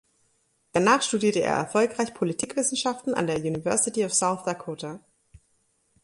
Danach studierte er erfolgreich Politikwissenschaften an der University of South Dakota.